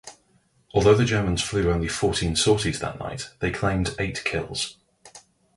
Although the Germans flew only fourteen sorties that night, they claimed eight kills.